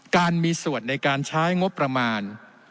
การมีส่วนในการใช้งบประมาณ